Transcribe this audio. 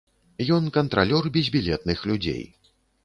Ён кантралёр безбілетных людзей.